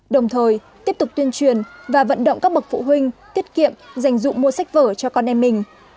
đồng thời tiếp tục tuyên truyền và vận động các bậc phụ huynh tiết kiệm dành dụng mua sách vở cho con em mình